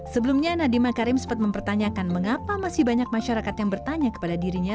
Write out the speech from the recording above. sebelumnya nadiem makarim sempat mempertanyakan mengapa masih banyak masyarakat yang bertanya kepada dirinya